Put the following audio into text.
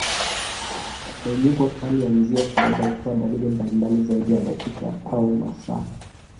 Mmenyuko kali ya mzio kawaida hutoa dalili mbalimbali zaidi ya dakika au masaa.